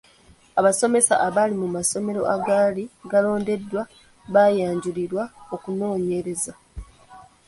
Abasomesa abaali mu masomero agaali galondeddwa baayanjulirwa okunoonyereza.